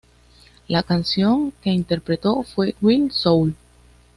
La canción que interpretó fue "Wild Soul".